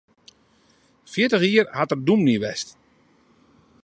Fjirtich jier hat er dûmny west.